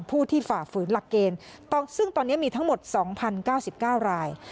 ผู้ที่ฝ่าฝืนหลักเกณฑ์ซึ่งตอนนี้มีทั้งหมด๒๐๙๙ราย